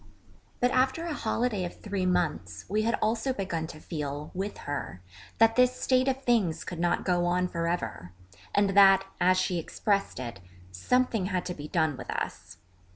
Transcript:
But after a holiday of three months, we had also begun to feel, with her, that this state of things could not go on for ever, and that as she expressed it 'something had to be done with us.'